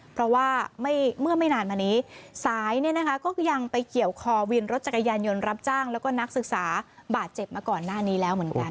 เพราะว่าเมื่อไม่นานมานี้สายเนี่ยนะคะก็ยังไปเกี่ยวคอวินรถจักรยานยนต์รับจ้างแล้วก็นักศึกษาบาดเจ็บมาก่อนหน้านี้แล้วเหมือนกัน